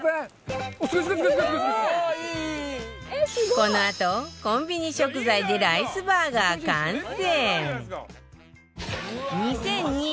このあと、コンビニ食材でライスバーガー完成！